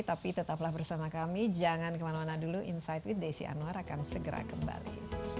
tapi tetaplah bersama kami jangan kemana mana dulu insight with desi anwar akan segera kembali